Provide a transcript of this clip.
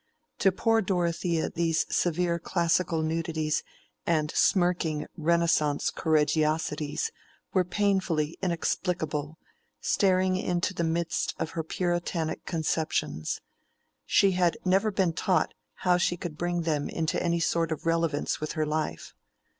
To poor Dorothea these severe classical nudities and smirking Renaissance Correggiosities were painfully inexplicable, staring into the midst of her Puritanic conceptions: she had never been taught how she could bring them into any sort of relevance with her life.